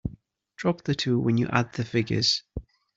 Drop the two when you add the figures.